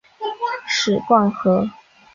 史灌河